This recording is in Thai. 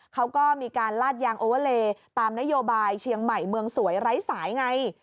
เขาก็มีการลาดยางโอเวอร์เลตามนโยบายเชียงใหม่เมืองสวยไร้สายไง